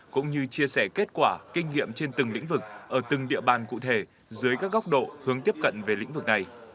cũng như chia sẻ kết quả kinh nghiệm trên từng lĩnh vực ở từng địa bàn cụ thể dưới các góc độ hướng tiếp cận về lĩnh vực này